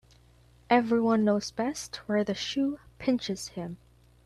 Every one knows best where the shoe pinches him